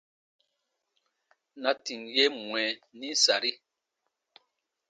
Na tìm ye mwɛ nim sari :